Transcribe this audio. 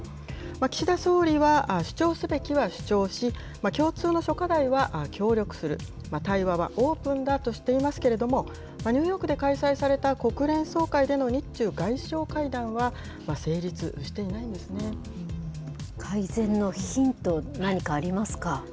岸田総理は主張すべきは主張し、共通の諸課題は協力する、対話はオープンだとしていますけれども、ニューヨークで開催された国連総会での日中外相会談は、改善のヒント、何かありますか。